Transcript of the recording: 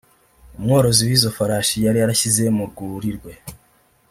umworozi w’izo farasi yari yarashyize mu rwuri rwe